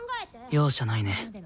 容赦ないね。